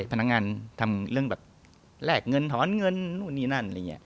ใช่ธนาคารทำเรื่องแบบแหลกเงินถอนเงินนู่นนี่นั่น